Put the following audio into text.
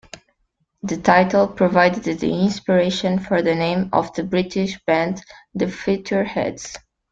The title provided the inspiration for the name of the British band The Futureheads.